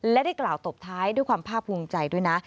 และได้กล่าวตบท้ายด้วยความภาคภูมิใจด้วยนะ